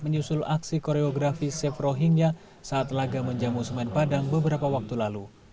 menyusul aksi koreografi chef rohingya saat laga menjamu semen padang beberapa waktu lalu